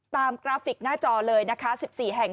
กราฟิกหน้าจอเลยนะคะ๑๔แห่ง